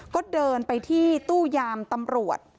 ก็เดินไปที่ตู้ยามตำรวจ